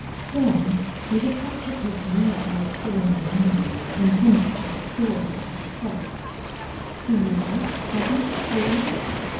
Then with a touch of his usual formal manner intended to restore her to herself, "Do you like study, Paula?"